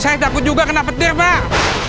saya takut juga kena petir pak